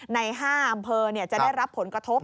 ใน๕อำเภอจะได้รับผลกระทบ